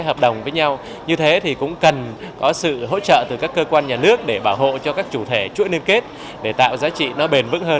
hợp đồng với nhau như thế thì cũng cần có sự hỗ trợ từ các cơ quan nhà nước để bảo hộ cho các chủ thể chuỗi liên kết để tạo giá trị nó bền vững hơn